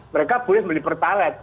mereka boleh membeli pertalit